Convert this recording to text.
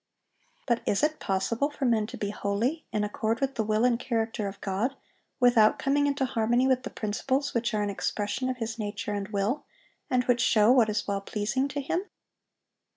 But is it possible for men to be holy, in accord with the will and character of God, without coming into harmony with the principles which are an expression of His nature and will, and which show what is well pleasing to Him?